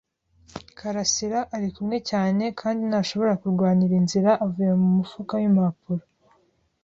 karasira arikumwe cyane kandi ntashobora kurwanira inzira avuye mumufuka wimpapuro.